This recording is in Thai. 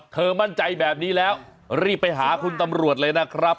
มั่นใจแบบนี้แล้วรีบไปหาคุณตำรวจเลยนะครับ